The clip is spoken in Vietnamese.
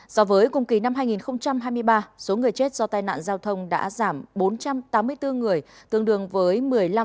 so với cùng kỳ năm hai nghìn hai mươi ba số người chết do tai nạn giao thông đã giảm bốn trăm tám mươi bốn người tương đương với một mươi năm